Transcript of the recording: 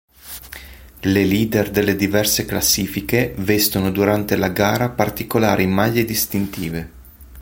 Le leader delle diverse classifiche vestono durante la gara particolari maglie distintive.